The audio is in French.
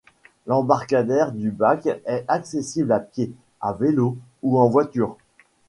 L'embarcadère du bac est accessible à pied, à vélo ou en voiture.